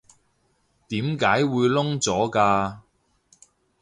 點解會燶咗㗎？